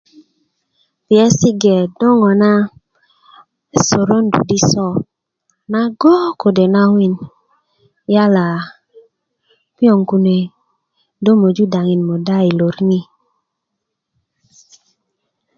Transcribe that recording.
piyesi' ge do ŋona sorondu di so naggo' kode' nawin yala piyoŋ kune do möju daŋin muda yi lor ni